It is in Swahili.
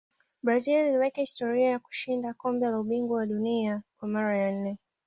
brazil iliweka historia ya kushinda kombe la ubingwa wa dunia kwa mara ya nne